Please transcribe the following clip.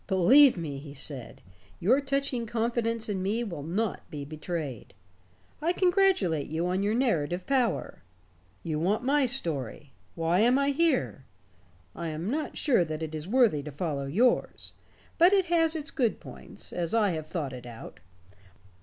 "Believe me," he said, "your touching confidence in me will not be betrayed. I congratulate you on your narrative power. You want my story. Why am I here? I am not sure that it is worthy to follow yours. But it has its good points as I have thought it out."